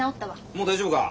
もう大丈夫か？